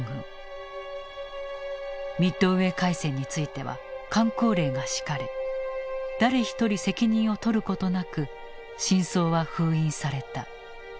ミッドウェー海戦については箝口令が敷かれ誰一人責任を取ることなく真相は封印された。